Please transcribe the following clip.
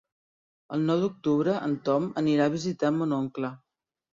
El nou d'octubre en Tom anirà a visitar mon oncle.